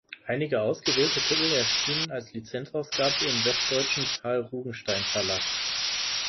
Einige ausgewählte Titel erschienen als Lizenz-Ausgabe im westdeutschen Pahl-Rugenstein Verlag.